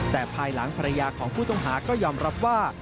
แต่ภายหลังภรรยาของผู้ต้องหาก็ยอมรับว่า